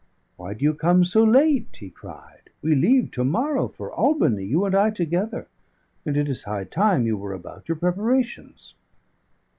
"Why do you come so late?" he cried. "We leave to morrow for Albany, you and I together; and it is high time you were about your preparations."